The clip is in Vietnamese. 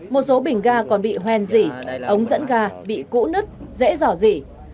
một số bình ga còn bị hoen dị ống dẫn ga bị củ nứt dễ dỏ dị